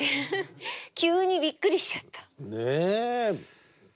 急にびっくりしちゃった。